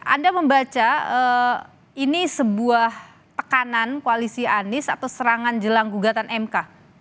anda membaca ini sebuah tekanan koalisi anies atau serangan jelang gugatan mk